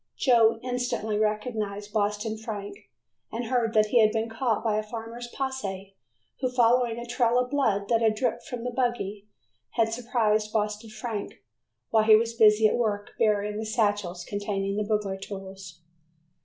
Joe instantly recognized Boston Frank, and heard that he had been caught by a farmer's posse, who, following a trail of blood that had dripped from the buggy, had surprised Boston Frank while he was busy at work burying the satchels containing the burglar tools.